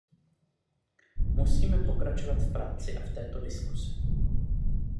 Musíme pokračovat v práci a v této diskusi.